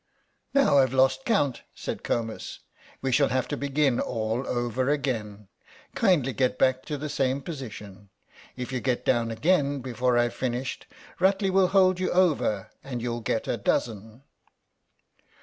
"Now I've lost count," said Comus; "we shall have to begin all over again. Kindly get back into the same position. If you get down again before I've finished Rutley will hold you over and you'll get a dozen."